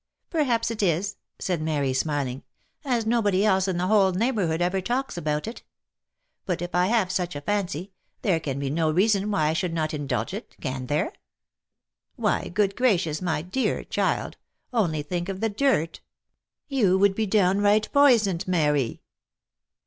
" Perhaps it is," said Mary smiling, " as nobody else in the whole neighbourhood ever talks about it ; but if I have such a fancy, there can be no reason why I should not indulge it, can there ?"" Why, good gracious, my dear child ! only think of the dirt ! You would be downright poisoned, Mary."